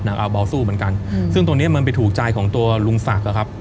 เอาเบาสู้เหมือนกันซึ่งตรงเนี้ยมันไปถูกใจของตัวลุงศักดิ์อะครับ